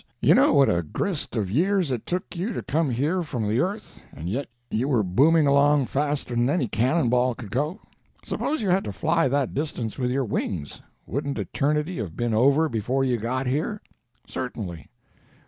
You know what a grist of years it took you to come here from the earth—and yet you were booming along faster than any cannon ball could go. Suppose you had to fly that distance with your wings—wouldn't eternity have been over before you got here? Certainly.